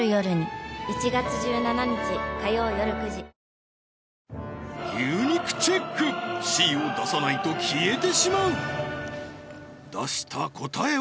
名俳優牛肉チェックＣを出さないと消えてしまう出した答えは？